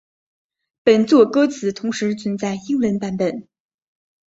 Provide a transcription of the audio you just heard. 本作歌词同时存在英文版本。